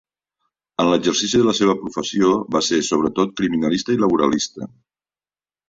En l'exercici de la seva professió va ser, sobretot, criminalista i laboralista.